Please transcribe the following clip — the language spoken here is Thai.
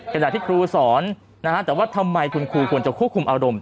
แต่จากที่ครูสอนแต่ว่าทำไมคุณคู่ควรจะควบคุมอารมณ์